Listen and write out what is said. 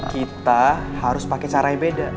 kita harus pakai cara yang beda